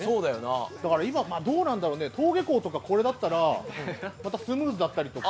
だから今、登下校とかこれだったらまたスムーズだったりとか。